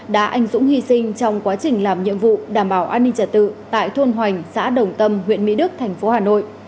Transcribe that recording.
đã anh dũng hy sinh trong quá trình làm nhiệm vụ đảm bảo an ninh trật tự tại thôn hoành xã đồng tâm huyện mỹ đức thành phố hà nội